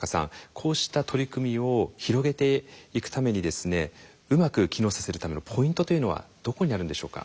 こうした取り組みを広げていくためにですねうまく機能させるためのポイントというのはどこにあるんでしょうか？